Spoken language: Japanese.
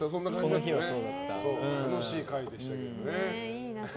楽しい会でしたけどね。